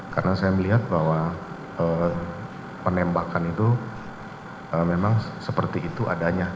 karena saya melihat bahwa penembakan itu memang seperti itu adanya